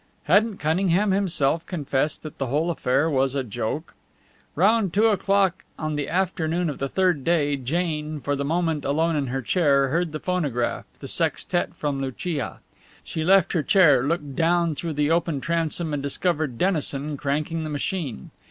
Hadn't Cunningham himself confessed that the whole affair was a joke? Round two o'clock on the afternoon of the third day Jane, for the moment alone in her chair, heard the phonograph the sextet from Lucia. She left her chair, looked down through the open transom and discovered Dennison cranking the machine.